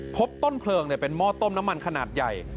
พบต้นเพลิงเป็นหม้อต้มน้ำมันขนาดใหญ่